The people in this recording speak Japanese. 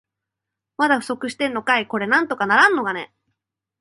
まだ不足してんのかい。これなんとかならんのかね。